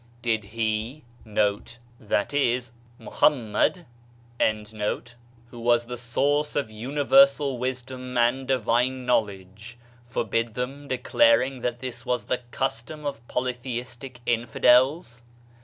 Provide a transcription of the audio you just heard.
Did he,* who was the source of universal wis dom and divine knowledge, forbid them, declaring that this was the custom of polytheistic infidels?